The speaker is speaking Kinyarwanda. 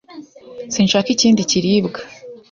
Sinshaka ikindi kiribwa.